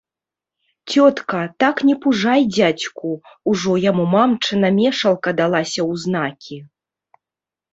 Цётка, так не пужай дзядзьку, ужо яму мамчына мешалка далася ў знакі.